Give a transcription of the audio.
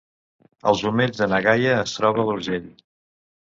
Els Omells de na Gaia es troba a l’Urgell